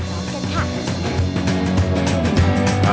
พร้อมกันค่ะ